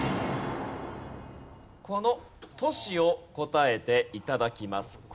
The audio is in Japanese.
この都市を答えて頂きます。